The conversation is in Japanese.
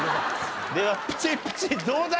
ではプチプチどうだ？